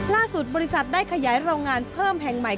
บริษัทได้ขยายโรงงานเพิ่มแห่งใหม่